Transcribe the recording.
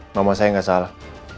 mama saya enggak salah